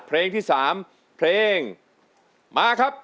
เพลงที่๓เพลงมาครับ